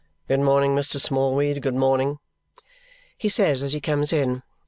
"Good morning, Mr. Smallweed, good morning!" he says as he comes in.